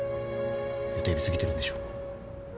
予定日過ぎてるんでしょ。